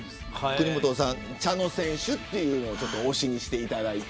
国本さん、茶野選手を推しにしていただいて。